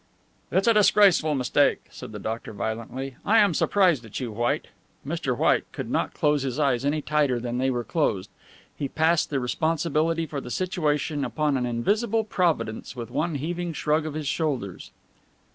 "It is a disgraceful mistake," said the doctor violently. "I am surprised at you, White." Mr. White could not close his eyes any tighter than they were closed. He passed the responsibility for the situation upon an invisible Providence with one heaving shrug of his shoulders.